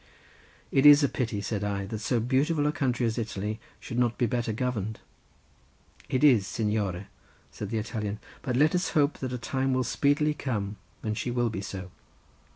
"It is a pity," said I, "that so beautiful a country as Italy should not be better governed." "It is, signore," said the Italian; "but let us hope that a time will speedily come when she will be so."